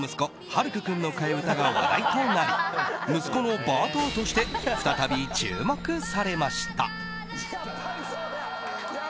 晴空君の替え歌が話題となり息子のバーターとして再び注目されました。